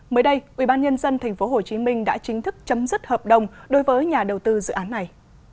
mới đây ubnd tp hcm đã chính thức chấm dứt hợp đồng đối với nhà đầu tư dự án này